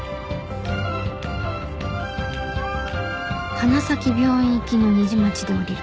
花咲病院行きの虹町で降りる